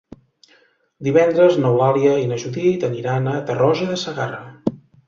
Divendres n'Eulàlia i na Judit aniran a Tarroja de Segarra.